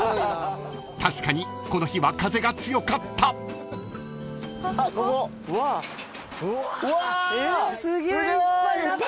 ［確かにこの日は風が強かった］わすげえ！